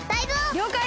りょうかい！